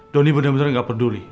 doni benar benar nggak peduli